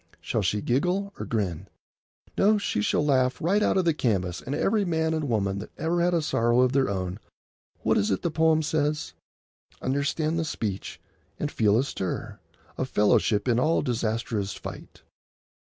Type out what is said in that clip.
Shall she giggle or grin? No, she shall laugh right out of the canvas, and every man and woman that ever had a sorrow of their own shall—what is it the poem says?— "Understand the speech and feel a stir Of fellowship in all disastrous fight.